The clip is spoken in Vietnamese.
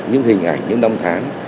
những hình ảnh những năm tháng